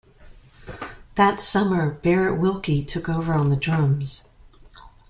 That summer, Barrett Wilke took over on drums.